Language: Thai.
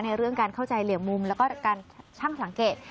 เรื่องการเข้าใจเหลี่ยมมุมแล้วก็การช่างสังเกต